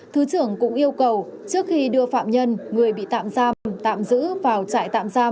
thứ trưởng cũng yêu cầu trước khi đưa phạm nhân người bị tạm giam tạm giữ vào trại tạm giam